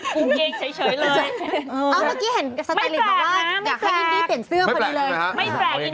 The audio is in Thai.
เพียงเฮ็ดงั้นเท่าว่าอยากให้อิ่มตี้เปลี่ยนเสื้อเหมือนกันเลยไม่แปลกใช่ไหมครับ